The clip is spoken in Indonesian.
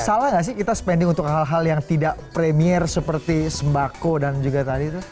salah nggak sih kita spending untuk hal hal yang tidak premier seperti sembako dan juga tadi itu